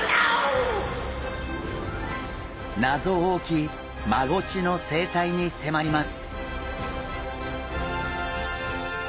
謎多きマゴチの生態に迫ります。